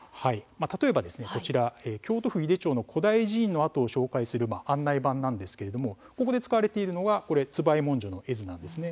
例えば、こちら京都府井手町の古代寺院の跡を紹介する案内板なんですがこちらに使われているのが椿井文書なんです。